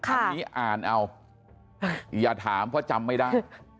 อันนี้อ่านเอาอย่าถามเพราะจำไม่ได้